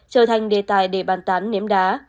trở thành đề tài để bàn tán nếm đá